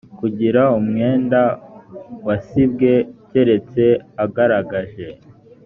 kugira umwenda wasibwe keretse agaragaje